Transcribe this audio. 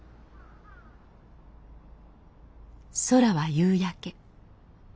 空は夕焼け。